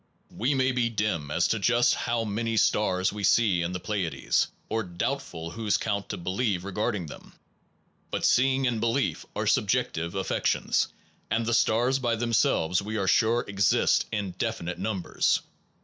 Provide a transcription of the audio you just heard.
We may be dim as to just Kant s now many stars we see in the Pleiades, antino mies or doubtful whose count to believe regarding them; but seeing and belief are subjective affections, and the stars by them selves, we are sure, exist in definite numbers.